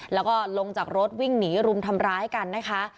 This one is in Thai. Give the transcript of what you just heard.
แล้วก็ลงจากรถวิ่งหนีรุมทำร้ายกันนะคะ